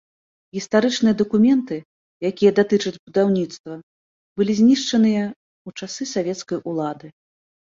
Гістарычныя дакументы, якія датычаць будаўніцтва, былі знішчаныя ў часы савецкай улады.